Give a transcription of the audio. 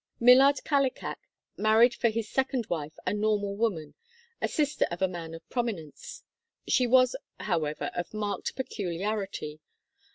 Millard Kallikak married for his second wife a nor mal woman, a sister of a man of prominence. She was, however, of marked peculiarity.